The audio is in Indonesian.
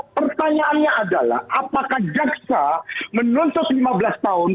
pertanyaannya adalah apakah jaksa menuntut lima belas tahun